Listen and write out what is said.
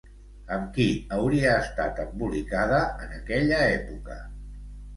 Amb qui hauria estat embolicada en aquella època?